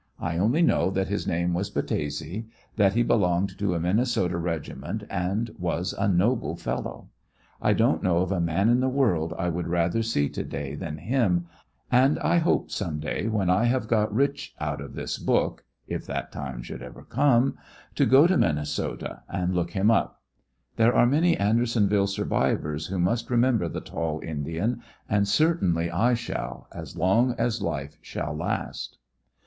I only know that his name was Battese, that he belonged to a Minnesota regiment and was a noble fellow. I don't know of a man in the world I would rather see to day than him, and I hope some day when I have got rich out of this book (if that time should ever come,) to go to Min nesota and look him up. There are many Andersonville survivors who must remember the tall Indian, and certainly I shall, as long as life shall last.